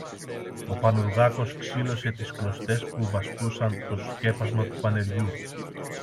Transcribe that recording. Ο Πανουργάκος ξήλωσε τις κλωστές που βαστούσαν το σκέπασμα του πανεριού